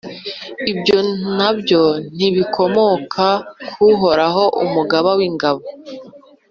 Ibyo na byo bikomoka kuri Uhoraho, Umugaba w’ingabo,